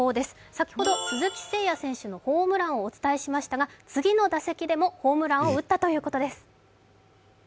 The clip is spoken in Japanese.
先ほど鈴木誠也選手のホームランをお伝えしましたが、次の打席でもホームランを打ったということです。